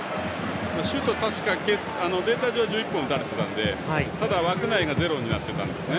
シュート確かデータ上は１１本打たれていたので、ただ枠内がゼロになっていたんですね。